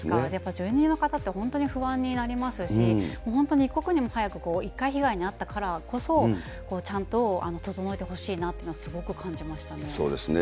住人の方って本当に不安になりますし、本当に一刻も早く、一回被害に遭ったからこそ、ちゃんと整えてほしいなっていうそうですね。